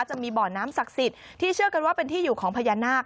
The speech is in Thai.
จะมีบ่อน้ำศักดิ์สิทธิ์ที่เชื่อกันว่าเป็นที่อยู่ของพญานาค